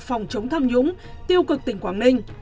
phòng chống tham nhũng tiêu cực tỉnh quảng ninh